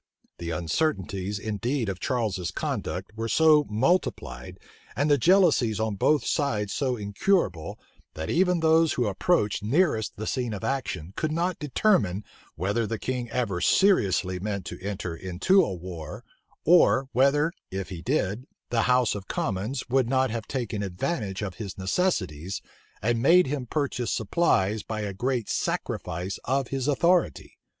The uncertainties indeed of Charles's conduct were so multiplied, and the jealousies on both sides so incurable, that even those who approached nearest the scene of action, could not determine, whether the king ever seriously meant to enter into a war; or whether, if he did, the house of commons would not have taken advantage of his necessities, and made him purchase supplies by a great sacrifice of his authority.